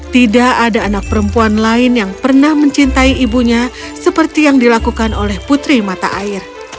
tidak ada anak perempuan lain yang pernah mencintai ibunya seperti yang dilakukan oleh putri mata air